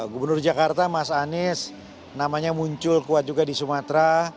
gubernur jakarta mas anies namanya muncul kuat juga di sumatera